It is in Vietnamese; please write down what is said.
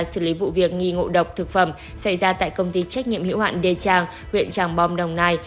xử lý vụ việc nghi ngộ độc thực phẩm xảy ra tại công ty trách nhiệm hiệu hạn đê trang huyện tràng bom đồng nai